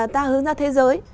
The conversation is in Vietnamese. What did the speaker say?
ta hướng ra thế giới